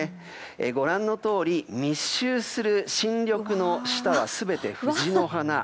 ご覧のとおり密集する新緑の下は全て藤の花。